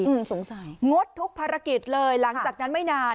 สงสัยงดทุกภารกิจเลยหลังจากนั้นไม่นาน